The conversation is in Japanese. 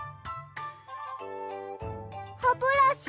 ハブラシ？